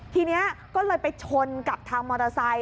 ทีนี้ก็เลยไปชนกับทางมอเตอร์ไซค